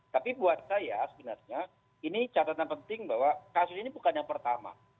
tapi buat saya sebenarnya ini catatan penting bahwa kasus ini bukan yang pertama